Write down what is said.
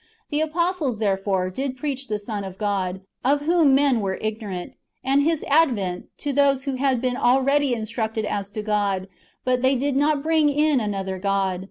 ^ The apostles, therefore, did W preach the Son of God, of whom men were ignorant ; and His advent, to those who had been already instructed as to God ; but they did not bring in another God.